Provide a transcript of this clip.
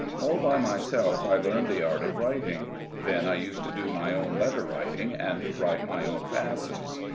All by myself I learned the art of writing. Then I used to do my own letter writing, and write my own passes.